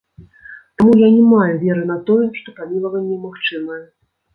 Таму я не маю веры на тое, што памілаванне магчымае.